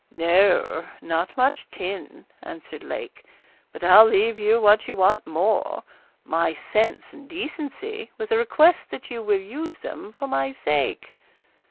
'No, not much tin,' answered Lake; 'but I'll leave you what you want more, my sense and decency, with a request that you will use them for my sake.'